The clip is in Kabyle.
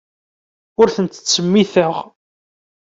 Ur tent-ttsemmiteɣ.